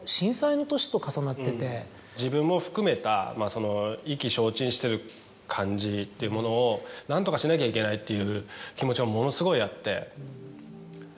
自分も含めた意気消沈してる感じっていうものを何とかしなきゃいけないっていう気持ちはものすごいあって。